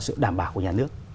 sự đảm bảo của nhà nước